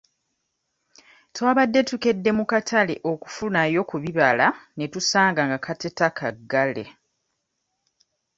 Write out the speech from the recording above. Twabadde tukedde mu katale okufunayo ku bibala ne tusanga nga kateta kaggale.